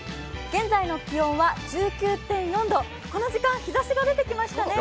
現在の気温は１９．４度、この時間、日ざしが出てきましたね